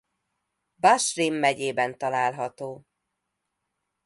Bas-Rhin megyében található.